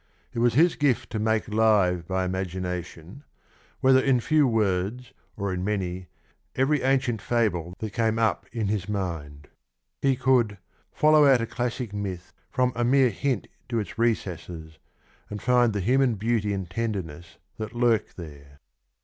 ... It was his gift to make live by imagination, whether in few words or in many, every ancient fable that came up in his mind." He could " follow out a classic myth .... from a mere hint to its recesses, and find the human beauty and tenderness that lurk there.